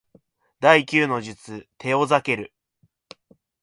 第九の術テオザケル